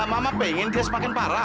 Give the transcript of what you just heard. mama pengen dia semakin parah